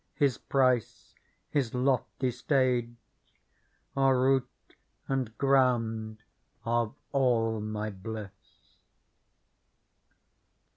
His price. His lofty stage Are root and ground of all my bliss."